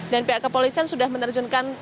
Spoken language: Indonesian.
dan pihak kepolisian sudah menerjunkan